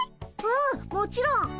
うんもちろん。